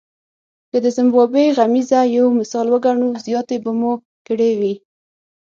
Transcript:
که د زیمبابوې غمیزه یو مثال وګڼو زیاتی به مو کړی وي.